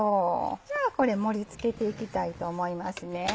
じゃあ盛り付けていきたいと思いますね。